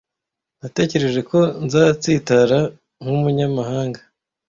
Natekereje ko nzatsitara, nkumunyamahanga